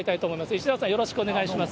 石澤さん、よろしくお願いします。